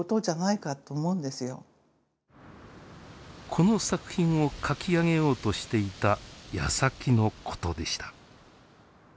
この作品を書き上げようとしていたやさきのことでした。